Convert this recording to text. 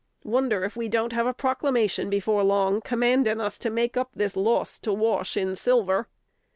Wonder if we don't have a proclamation before long commanding us to make up this loss to Wash in silver."